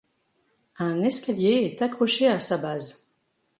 Un escalier est accroché à sa base.